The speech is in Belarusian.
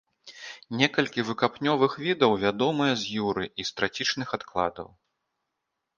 Некалькі выкапнёвых відаў вядомыя з юры і з трацічных адкладаў.